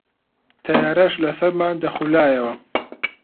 تەیارەش لە سەرمان دەخولایەوە